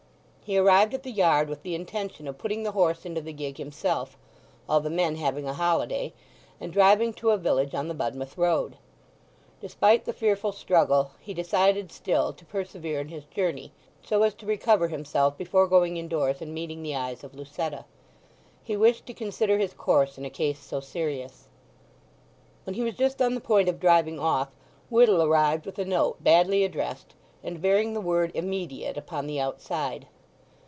He arrived at the yard with the intention of putting the horse into the gig himself (all the men having a holiday), and driving to a village on the Budmouth Road. Despite the fearful struggle he decided still to persevere in his journey, so as to recover himself before going indoors and meeting the eyes of Lucetta. He wished to consider his course in a case so serious. When he was just on the point of driving off Whittle arrived with a note badly addressed, and bearing the word "immediate" upon the outside.